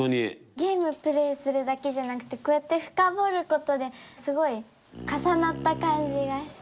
ゲームプレーするだけじゃなくてこうやってフカボルことですごい重なった感じがした。